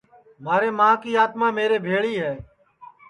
مھارے ماں کی آتما میرے بھیݪی ہے